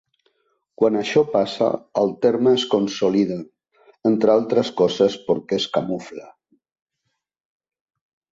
Quan això passa el terme es consolida, entre altres coses perquè es camufla.